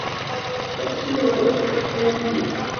دا اصول لا تر اوسه پټ پاتې دي